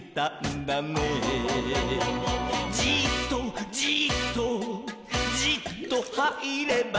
「じっとじっとじっとはいればからだの」